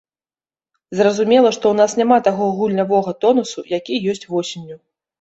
Зразумела, што ў нас няма таго гульнявога тонусу, які ёсць восенню.